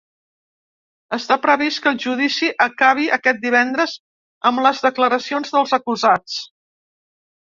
Està previst que el judici acabi aquest divendres amb les declaracions dels acusats.